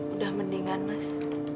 udah mendingan mas